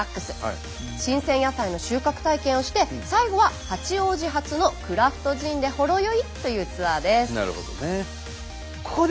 新鮮野菜の収穫体験をして最後は八王子発のクラフトジンでほろ酔いというツアーです。